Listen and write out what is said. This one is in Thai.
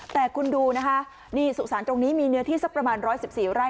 แต่คุณดูนะคะนี่สุสานตรงนี้มีเนื้อที่สักประมาณ๑๑๔ไร่